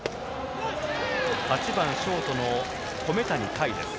８番ショートの米谷櫂です。